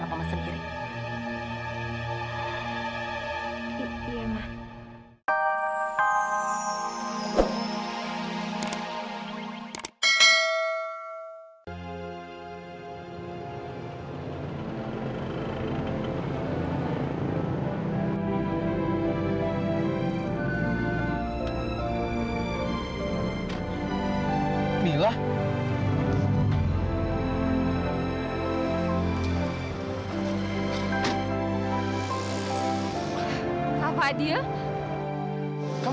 oh nggak usah kak